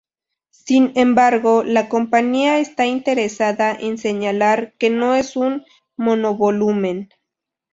Sin embargo, la compañía está interesada en señalar que no es un monovolumen.